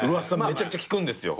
めちゃくちゃ聞くんですよ